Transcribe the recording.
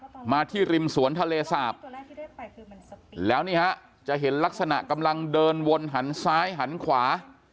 มาที่ริมสวนทะเลสาบแล้วนี่ฮะจะเห็นลักษณะกำลังเดินวนหันซ้ายหันขวา